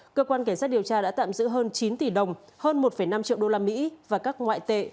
cơ quan cảnh sát điều tra đã tạm giữ hơn chín tỷ đồng hơn một năm triệu usd và các ngoại tệ